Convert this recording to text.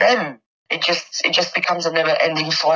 itu menjadi sebuah kira kira